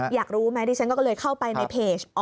อยากรู้ไหมดิฉันก็เลยเข้าไปในเพจ